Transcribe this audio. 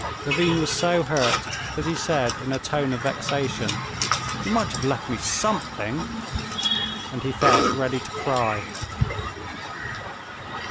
Levin was so hurt that he said, in a tone of vexation, "You might have left me something!" and he felt ready to cry.